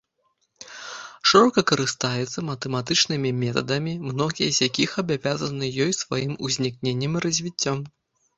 Шырока карыстаецца матэматычнымі метадамі, многія з якіх абавязаны ёй сваім узнікненнем і развіццём.